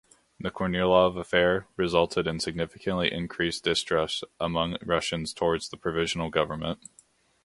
The Kornilov Affair resulted in significantly increased distrust among Russians towards the Provisional Government.